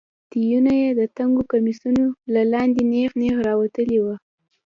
تيونه يې د تنګو کميسونو له لاندې نېغ نېغ راوتلي وو.